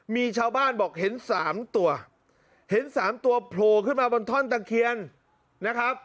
มีชาวบ้านบอกเห็น๓ตัวเห็นสามตัวโผล่ขึ้นมาบนท่อนตะเคียนนะครับ